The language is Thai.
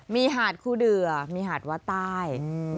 มีหาดคูเดือมีหาดวัดใต้